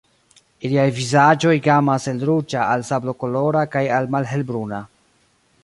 Iliaj vizaĝoj gamas el ruĝa al sablokolora kaj al malhelbruna.